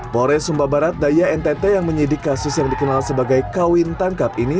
polres sumba barat daya ntt yang menyidik kasus yang dikenal sebagai kawin tangkap ini